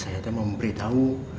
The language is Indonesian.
saya mau memberitahu